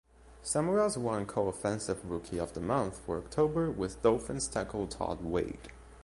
Samuels won co-Offensive Rookie of the Month for October with Dolphins tackle Todd Wade.